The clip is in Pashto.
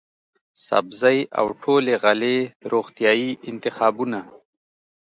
سبزۍ او ټولې غلې روغتیايي انتخابونه،